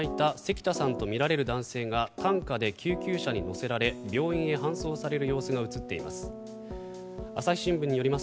映像には右足に包帯を巻いた関田さんとみられる男性が担架で救急車に乗せられ病院へ搬送される様子が映っています。